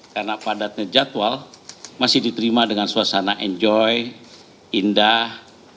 karena padatnya jadwal masih diterima dengan suasana enjoy indah